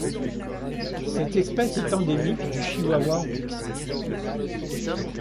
Cette espèce est endémique du Chihuahua au Mexique.